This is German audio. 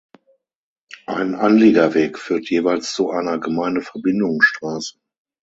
Ein Anliegerweg führt jeweils zu einer Gemeindeverbindungsstraße.